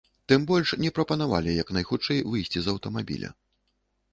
Тым больш, не прапанавалі як найхутчэй выйсці з аўтамабіля.